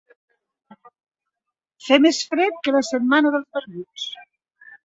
Fer més fred que la setmana dels barbuts.